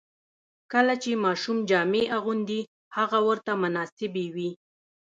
کله چې ماشوم جامې اغوندي، هغه ورته مناسبې وي.